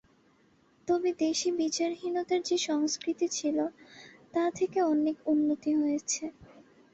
তবে দেশে বিচারহীনতার যে সংস্কৃতি ছিল, তা থেকে অনেক উন্নতি হয়েছে।